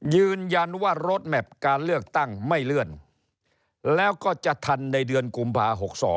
ยืนยันว่ารถแมพการเลือกตั้งไม่เลื่อนแล้วก็จะทันในเดือนกุมภา๖๒